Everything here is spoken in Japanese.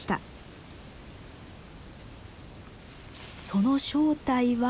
その正体は。